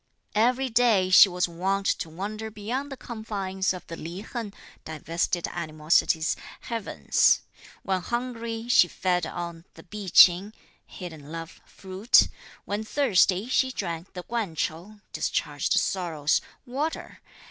"Every day she was wont to wander beyond the confines of the Li Hen (divested animosities) heavens. When hungry she fed on the Pi Ch'ing (hidden love) fruit when thirsty she drank the Kuan ch'ou (discharged sorrows,) water.